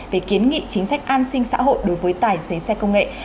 về kiến nghị chính sách an sinh xã hội đối với tài xế xe công nghệ